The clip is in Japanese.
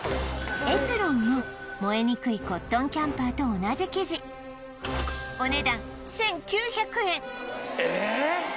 エプロンも燃えにくいコットンキャンパーと同じ生地お値段１９００円ええ！？